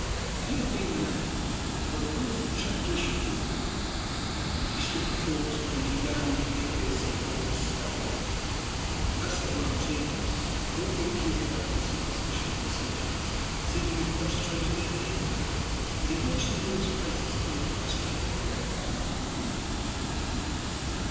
If he had been an actor what a wonderful tragedian he would have made! As he stood before us pointing down into the abyss he held us spell bound. As for Martinos, all the accumulated superstition of the centuries seemed to be concentrated in him, and he watched Nikola's face as if he were fascinated beyond the power of movement.